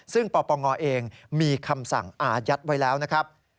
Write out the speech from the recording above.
ซึ่งปปงเองมีคำสั่งอายัดไว้แล้วนะครับ